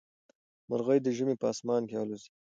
مرغۍ د ژمي په اسمان کې الوزي.